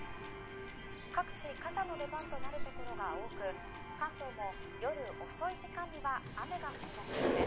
「各地傘の出番となるところが多く関東も夜遅い時間には雨が降り出しそうです」